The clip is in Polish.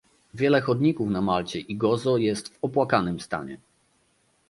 wiele chodników na Malcie i Gozo jest w opłakanym stanie